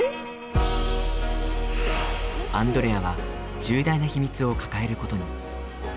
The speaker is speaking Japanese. アンドレアは重大な秘密を抱えることに。